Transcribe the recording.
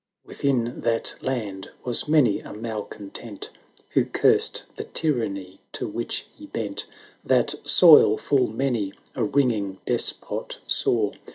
VIII. Within that land was many a malcon tent, Who cursed, the tryanny to which he bent; That soil full many a wringing despot saw.